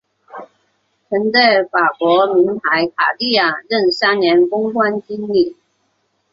曾在法国名牌卡地亚任三年公关经理。